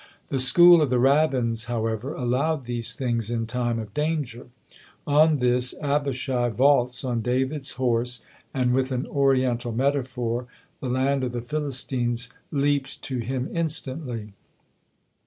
The school of the rabbins, however, allowed these things in time of danger. On this Abishai vaults on David's horse, and (with an Oriental metaphor) the land of the Philistines leaped to him instantly!